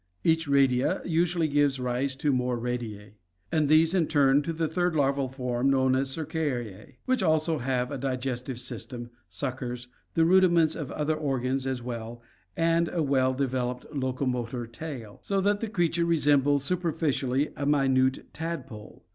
Each redia usually gives rise to more rediae, and these in turn to the third larval form known as cercariae, which also have a digestive system, suckers, the rudi ments of other organs as well, and a well developed locomotor tail, so that the creature resembles superficially a minute tadpole.